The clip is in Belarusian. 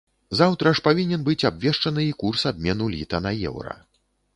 Заўтра ж павінен быць абвешчаны і курс абмену літа на еўра.